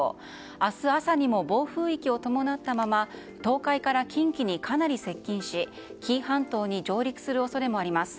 明日朝にも暴風域を伴ったまま東海から近畿にかなり接近し紀伊半島に上陸する恐れもあります。